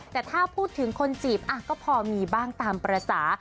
แต่ถ้าพูดถึงคนจีบก็พอมีบ้างตามภาษา